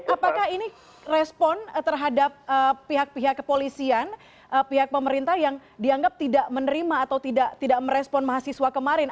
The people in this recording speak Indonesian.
apakah ini respon terhadap pihak pihak kepolisian pihak pemerintah yang dianggap tidak menerima atau tidak merespon mahasiswa kemarin